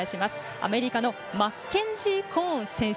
アメリカのマッケンジー・コーン選手。